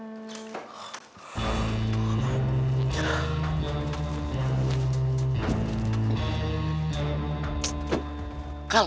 tau gak mau